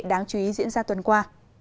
đáng chú ý diễn ra tuần qua